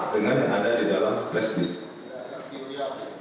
dengan yang ada di dalam flash disk